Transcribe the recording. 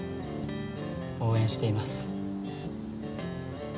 応援しています。